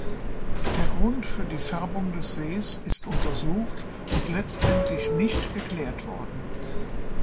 Der Grund für die Färbung des Sees ist untersucht und letztendlich nicht geklärt worden.